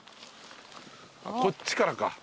こっちからか。